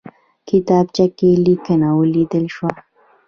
کتابچه کې لیکنه ولیدل شوه.